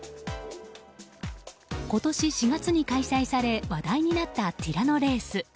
今年４月に開催され話題になったティラノレース。